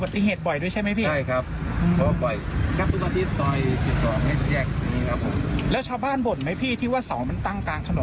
พอทำถนนเสร็จก็ต้องมาย้ายเสาไฟจราจร